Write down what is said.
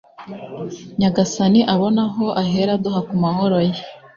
nyagasani abone aho ahera aduha ku mahoro ye